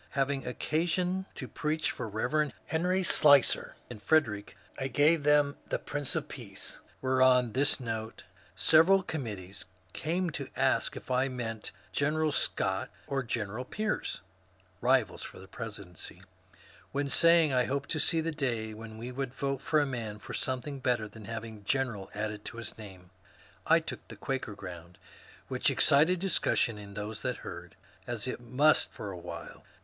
Having occasion to preach for Rev. Henry Slicer in Frederick, I gave them the *^ Prince of Peace." Whereon tiiis note :*^ Several committees came to ask if I meant General Scott or Greneral Pierce [rivals for the presidency] when saying I hoped to see the day when we would vote for a man for something better than having * Greneral ' added to his name. I took the Quaker ground, which excited discussion in those that heard — as it must for a while."